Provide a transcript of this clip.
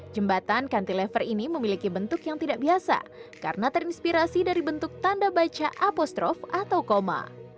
jembatan kantylever ini memiliki bentuk yang tidak biasa karena terinspirasi dari bentuk tanda baca apostrof atau koma